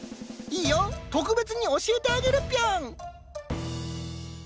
いいよ特別に教えてあげるピョン！